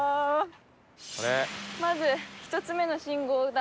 まず１つ目の信号だ。